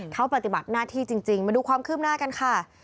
เขาปฏิบัติหน้าที่จริงมาดูความคืบหน้ากันค่ะ